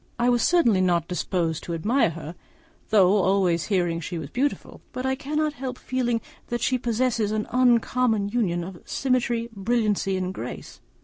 I was certainly not disposed to admire her, though always hearing she was beautiful; but I cannot help feeling that she possesses an uncommon union of symmetry, brilliancy, and grace.